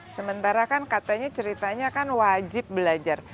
sementara kan katanya ceritanya kan wajib belajar